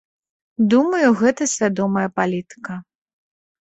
Думаю, гэта свядомая палітыка.